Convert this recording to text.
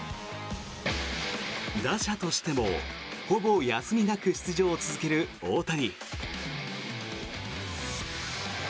打者としてもほぼ休みなく出場を続ける大谷。